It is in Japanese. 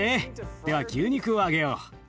では牛肉を揚げよう。